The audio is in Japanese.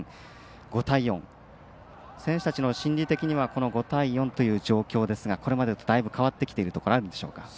５対４選手たちの心理的には５対４という状況ですがこれまでと変わってきてるところあるんでしょうか。